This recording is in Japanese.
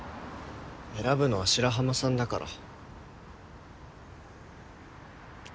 選ぶのは白浜さんだから。